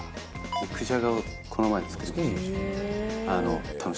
肉じゃがをこの前作りました。